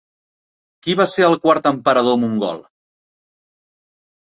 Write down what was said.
Qui va ser el quart emperador mogol?